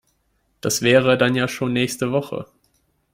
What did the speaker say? Das wäre dann ja schon nächste Woche.